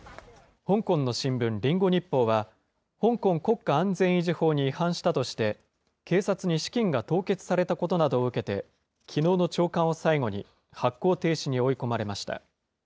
香港の新聞、リンゴ日報は、香港国家安全維持法に違反したとして、警察に資金が凍結されたことなどを受けて、きのうの朝刊を最後に発行停止に追い込まれました。